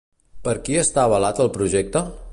Per qui està avalat el projecte?